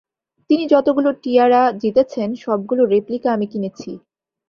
তিনি যতগুলো টিয়ারা জিতেছেন সবগুলোর রেপ্লিকা আমি কিনেছি।